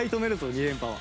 ２連覇は。